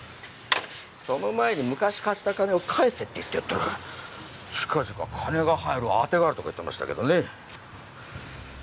その前に昔貸した金を返せって言ってやったら近々金が入る当てがあるとか言ってましたけどね。